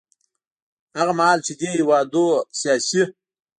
هغه مهال چې دې هېوادونو سیاسي